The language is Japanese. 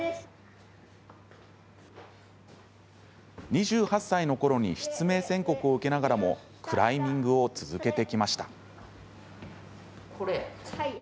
２８歳のころに失明宣告を受けながらもクライミングを続けてきました。